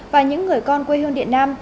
và những người con quê hương điện nam